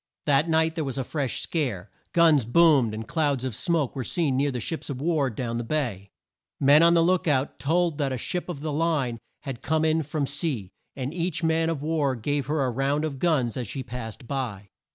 That night there was a fresh scare. Guns boomed and clouds of smoke were seen near the ships of war down the bay. Men on the look out told that a ship of the line had come in from sea, and each man of war gave her a round of guns as she passed by.